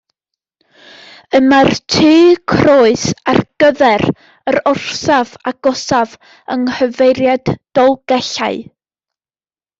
Y mae'r Tŷ Croes ar gyfer yr orsaf agosaf yng nghyfeiriad Dolgellau.